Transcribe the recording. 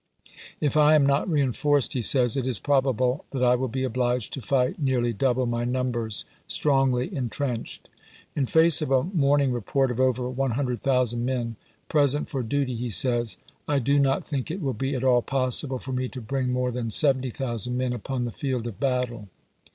" If I am not reen forced," he says, "it is probable that I will be obliged to fight nearly double my numbers, strongly intrenched." In face of a morning report of over 100,000 men present for duty he says :" I do not Vol.' XI.. think it will be at all possible for me to bring i'.2c.' more than 70,000 men upon the field of battle."